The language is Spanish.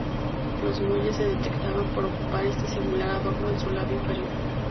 Los molles se destacaban por ocupar este singular adorno en su labio inferior.